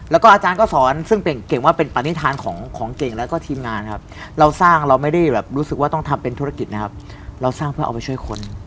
แล้วก็อาจารย์ก็สอนซึ่งเก่งเก่งว่าเป็นปณิธานของเก่งแล้วก็ทีมงานครับเราสร้างเราไม่ได้แบบรู้สึกว่าต้องทำเป็นธุรกิจนะครับเราสร้างเพื่อเอาไปช่วยคน